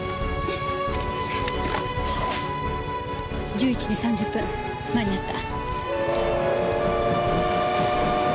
１１時３０分間に合った。